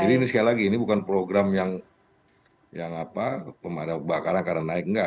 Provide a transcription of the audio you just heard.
ini sekali lagi ini bukan program yang yang apa pemadam bakaran akan naik enggak